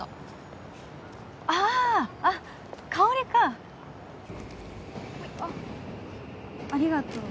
あっありがとう。